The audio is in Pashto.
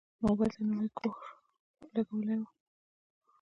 موبایل ته نوی کوور لګولی یم.